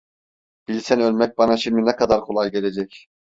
Bilsen ölmek bana şimdi ne kadar kolay gelecek…